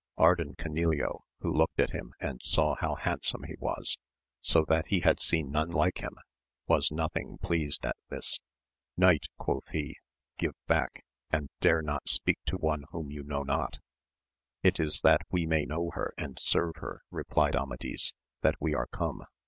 Ardan Canileo, who looked at him and saw how handsome he was, so that he had seen none like him, was nothing pleased at this. Knight, quoth he, give back, and dare not speak to one whom you know not. It is that we may know her and serve her, replied Amadis, that we are come.